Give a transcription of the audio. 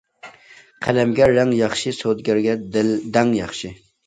قەلەمگە رەڭ ياخشى، سودىگەرگە دەڭ ياخشى.